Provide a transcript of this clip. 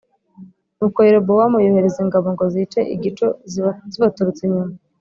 Nuko Yerobowamu yohereza ingabo ngo zice igico zibaturutse inyuma